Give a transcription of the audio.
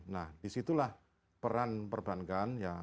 nah disitulah peran perbankan ya